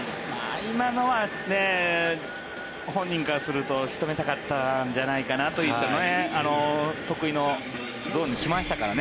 今のは本人からすると仕留めたかったんじゃないかなという得意のゾーンに来ましたからね。